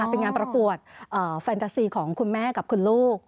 เป็นงานประกวดแฟนตาซีของคุณแม่กับคุณลูก